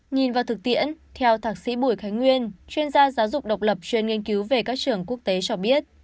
nhìn vào thực tiễn theo thạc sĩ bùi khánh nguyên chuyên gia giáo dục độc lập chuyên nghiên cứu về các trường quốc tế cho biết